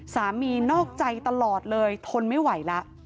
นอกใจตลอดเลยทนไม่ไหวแล้ว